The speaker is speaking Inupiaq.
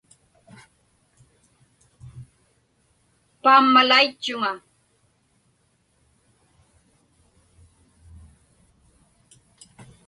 Paammalaitchuŋa.